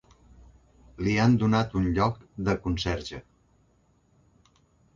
Li han donat un lloc de conserge.